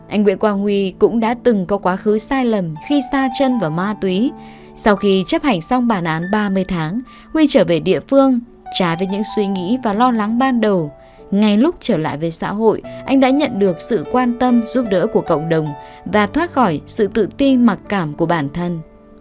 anh nguyễn quang huy cũng đã từng có quá khứ sai lầm khi xa chân vào ma túy sau khi chấp hành xong bản án ba mươi tháng huy trở về địa phương trái với những suy nghĩ và lo lắng ban đầu ngay lúc trở lại về xã hội anh đã nhận được sự quan tâm giúp đỡ của cộng đồng và thoát khỏi sự tự ti mặc cảm của bản thân